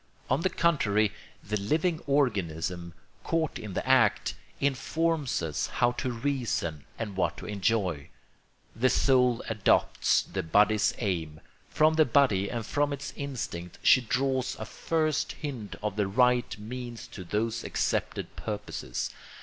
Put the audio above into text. On the contrary, the living organism, caught in the act, informs us how to reason and what to enjoy. The soul adopts the body's aims; from the body and from its instincts she draws a first hint of the right means to those accepted purposes.